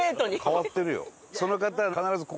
変わってるよ。